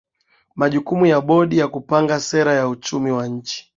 majukumu ya bodi ni kupanga sera ya uchumi wa nchi